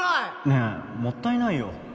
ねえもったいないよ